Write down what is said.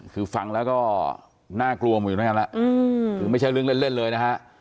คือฟังแล้วก็น่ากลัวหมู่อยู่นั่นแล้วไม่ใช่ลึกเล่นเลยนะฮะ